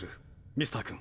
ミスター君。